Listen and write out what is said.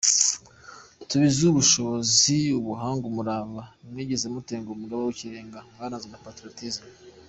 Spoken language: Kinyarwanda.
Tubiziho ubushobozi, ubuhanga, umurava, Ntimwigeze mutenguha Umugaba w’Ikirenga mwaranzwe na Patriotism.